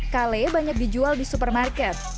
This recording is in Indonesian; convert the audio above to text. kale banyak dijual di supermarket